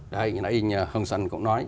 đây hôm nay hằng săn cũng nói